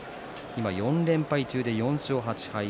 今４連敗中で４勝８敗。